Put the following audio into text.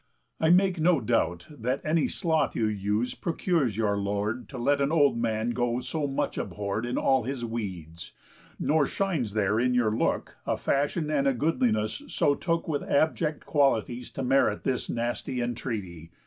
I make no doubt That any sloth you use procures your lord To let an old man go so much abhorr'd In all his weeds; nor shines there in your look A fashion and a goodliness so took With abject qualities to merit this Nasty entreaty.